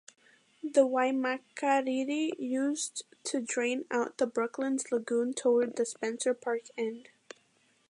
The Waimakariri used to drain out of Brooklands Lagoon towards the Spencer Park end.